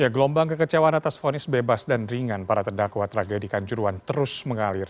gelombang kekecewaan atas vonis bebas dan ringan para terdakwa tragedi kanjuruan terus mengalir